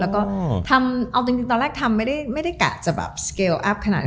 แล้วก็ตอนแรกทำไม่ได้กะจะสเกลออัพขนาดนี้